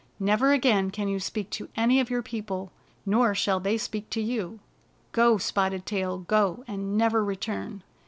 Never again can you speak to any of your people, nor shall they speak to you. Go, Spotted Tail, go, and never return!